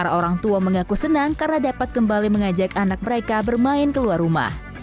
para orang tua mengaku senang karena dapat kembali mengajak anak mereka bermain keluar rumah